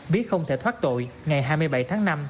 biết không thể thoát tội ngày hai mươi bảy tháng năm